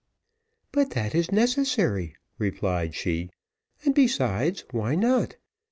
"But that is necessary," replied she; "and besides, why not?